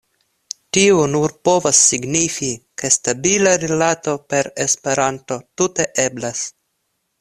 Tio nur povas signifi, ke stabila rilato per Esperanto tute eblas.